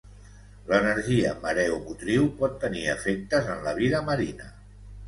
L'energia mareomotriu pot tenir efectes en la vida marina.